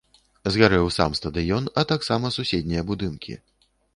Згарэў сам стадыён, а таксама суседнія будынкі.